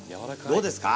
どうですか？